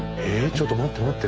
ちょっと待って待って。